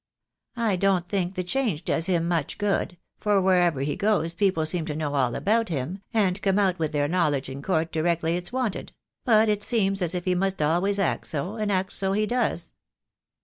I don't think the change does him much good, for wherever he goes people seem to know all about him, and come out with their knowledge in court directly it's wanted — but it seems as if he must always act so, and act so he does."